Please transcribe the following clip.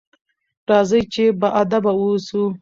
راځئ چې باادبه واوسو.